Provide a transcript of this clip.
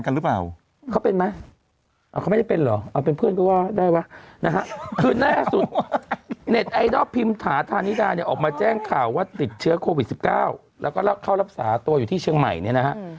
เขาไปเกณฑ์อาหารอย่างไรเขาไปเกณฑ์อาหารที่ขอนแก่น